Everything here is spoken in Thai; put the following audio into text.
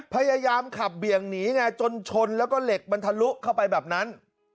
พยายามขับเบี่ยงหนีไงจนชนแล้วก็เหล็กมันทะลุเข้าไปแบบนั้น